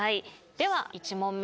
では１問目。